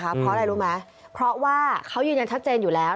เพราะอะไรรู้ไหมเพราะว่าเขายืนยันชัดเจนอยู่แล้ว